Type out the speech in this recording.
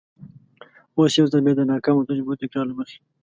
اوس یو ځل بیا د ناکامو تجربو تکرار له مخې.